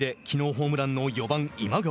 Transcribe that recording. ホームランの４番今川。